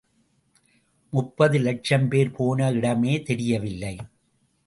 முப்பது இலட்சம் பேர் போன இடமே தெரியவில்லை.